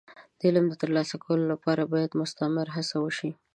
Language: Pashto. د علم د ترلاسه کولو لپاره باید مستمره هڅه وشي.